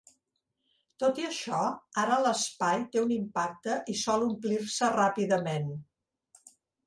Tot i això, ara l'espai té un impacte i sol omplir-se ràpidament.